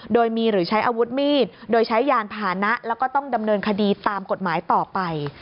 โดยมีหรือใช้อาวุธมีดโดยใช้ยานพานะแล้วก็ต้องดำเนินคดีตามกฎหมายต่อไป